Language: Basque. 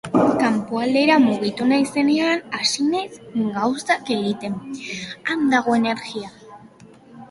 Kanpoaldera mugitu naizenean hasi naiz gauzak egiten, han dago energia.